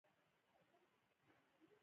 ایا زه به بدرنګه شم؟